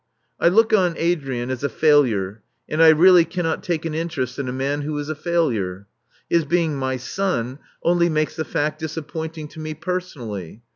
I look on Adrian as a failure and I really cannot take an interest in a man who is c failure. His being my son only makes the fact disap pointing to me personally.